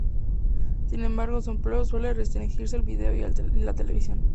Sin embargo, su empleo suele restringirse al vídeo y la televisión.